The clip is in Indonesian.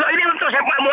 ini untuk siapa mau